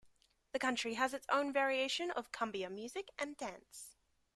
The country has its own variation of cumbia music and dance.